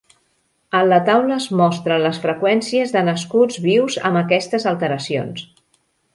En la taula es mostren les freqüències de nascuts vius amb aquestes alteracions.